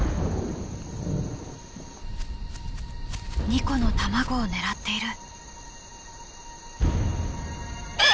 ニコの卵を狙っている。